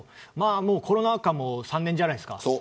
コロナ禍も３年じゃないですか。